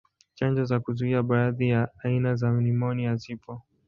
Chanjo za kuzuia baadhi ya aina za nimonia zipo.